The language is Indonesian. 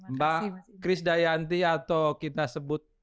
mbak kris dayanti atau kita sebut